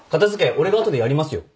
俺が後でやりますよ。